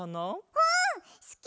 うん！すき！